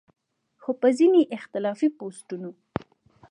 خو پۀ ځينې اختلافي پوسټونو